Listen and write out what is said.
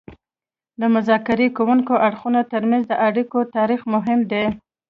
د مذاکره کوونکو اړخونو ترمنځ د اړیکو تاریخ مهم دی